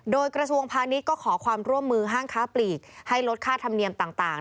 โดยกระทรวงพาณิชย์ก็ขอความร่วมมือห้างค้าปลีกให้ลดค่าธรรมเนียมต่าง